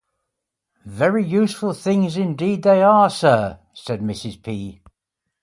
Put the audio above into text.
"Very useful things indeed they are, sir," said Mrs. P..